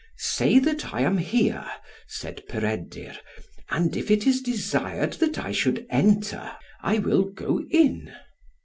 "Say that I am here," said Peredur, "and if it is desired that I should enter, I will go in."